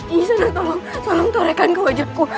nisana tolong torekan ke wajahku